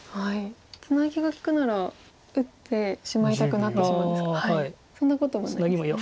ツナギが利くなら打ってしまいたくなってしまうんですがそんなことはないんですね。